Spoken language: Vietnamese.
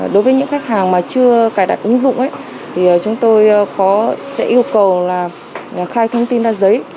đối với những khách hàng mà chưa cài đặt ứng dụng chúng tôi sẽ yêu cầu khai thông tin ra giấy